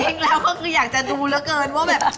จริงแล้วก็คืออยากจะดูเหลือเกินว่าแบบ